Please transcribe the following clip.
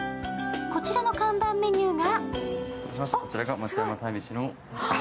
こちらの看板メニューが。